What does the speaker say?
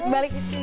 ini kita lihat dulu